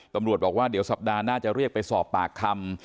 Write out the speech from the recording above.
ตำรวจบอกว่าเดี๋ยวสัปดาห์หน้าจะเรียกไปสอบปากคำ